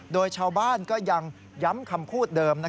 โดยชาวบ้านก็ยังย้ำคำพูดเดิม